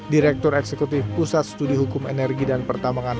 direktur eksekutif pusat studi hukum energi dan pertambangan